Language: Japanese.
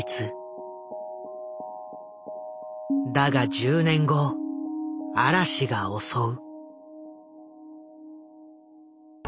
だが１０年後嵐が襲う。